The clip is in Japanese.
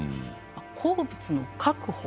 鉱物の確保